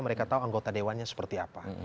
mereka tahu anggota dewan nya seperti apa